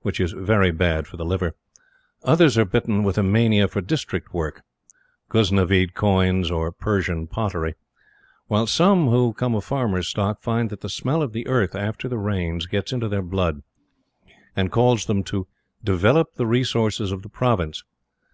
Which is very bad for the liver. Others are bitten with a mania for District work, Ghuznivide coins or Persian poetry; while some, who come of farmers' stock, find that the smell of the Earth after the Rains gets into their blood, and calls them to "develop the resources of the Province."